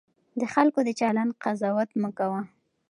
د خلکو د چلند قضاوت مه کوه.